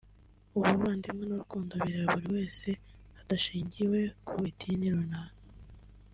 ubuvandimwe n’urukundo bireba buri wese hadashingiwe ku idini runaka”